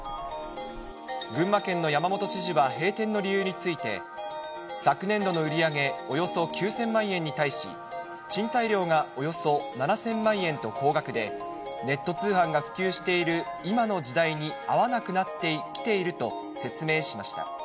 群馬県の山本知事は、閉店の理由について、昨年度の売り上げおよそ９０００万円に対し、賃貸料がおよそ７０００万円と高額で、ネット通販が普及している今の時代に合わなくなってきていると説明しました。